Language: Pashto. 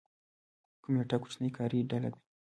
کمیټه کوچنۍ کاري ډله ده